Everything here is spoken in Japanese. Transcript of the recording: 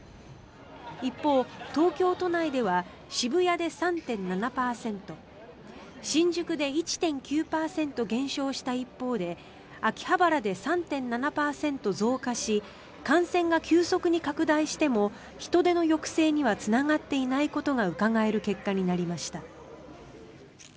一方、東京都内では渋谷で３．７％新宿で１．９％減少した一方で秋葉原で３．７％増加し感染が急速に拡大しても人出の抑制にはつながっていないことがうかがえる結果になりました。